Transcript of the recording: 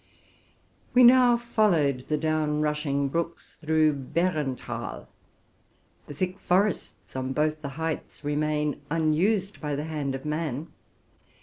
We now followed the rapidly descending brooks through the Barenthal. The thick forests on both the heights remain unused by the hand of man.